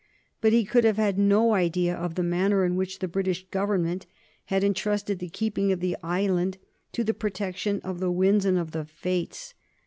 But he could have had no idea of the manner in which the British Government had intrusted the keeping of the island to the protection of the winds and of the fates.